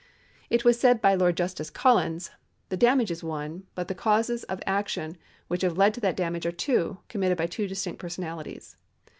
It was said by Lord Justice Collins :" The damage is one, but the causes of action which have led to that damage are two, committed by two distinct personalities."